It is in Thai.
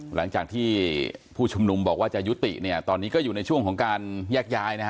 หลังจากที่ผู้ชุมนุมบอกว่าจะยุติเนี่ยตอนนี้ก็อยู่ในช่วงของการแยกย้ายนะฮะ